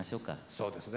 そうですね。